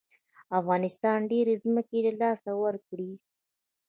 افغانستان ډېرې ځمکې له لاسه ورکړې.